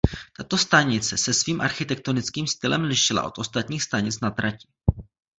Tato stanice se svým architektonickým stylem lišila od ostatních stanic na trati.